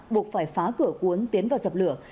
buộc phải phá cửa cuốn tiến vào dập lửa